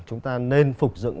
chúng ta nên phục dựng